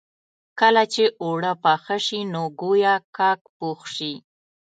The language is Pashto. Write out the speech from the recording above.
کله چې اوړه پاخه شي نو ګويا کاک پوخ شي.